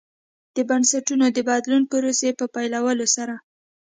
د بنسټونو د بدلون پروسې په پیلولو سره.